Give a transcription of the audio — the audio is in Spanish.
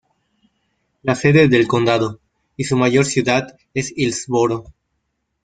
La sede del condado y su mayor ciudad es Hillsboro.